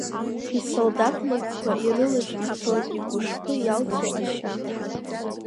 Исолдаҭ маҭәақәа ирылыжж ицоит игәышԥы иалҵуа ашьа.